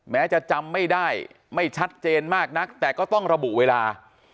แม้จะจำไม่ได้ไม่ชัดเจนมากนักแต่ก็ต้องระบุเวลา